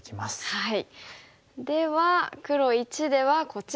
はい。